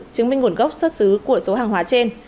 chứng minh nguồn gốc xuất xứ của số hàng hóa trên